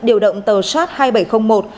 điều động tàu shat hai nghìn bảy trăm linh một